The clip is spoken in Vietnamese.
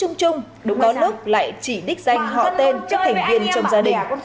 chúng chung chung có nước lại chỉ đích danh họ tên các thành viên trong gia đình